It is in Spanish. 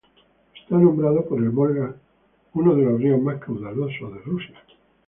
Está nombrado por el Volga, uno de los ríos más caudalosos de Rusia.